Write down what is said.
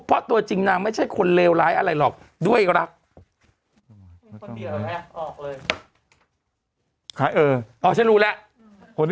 เพราะตัวจริงนางไม่ใช่คนเลวร้ายอะไรหรอกด้วยรัก